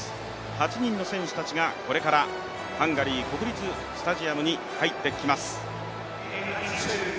８人の戦士たちがこれからハンガリー国立スタジアムに入ってきます。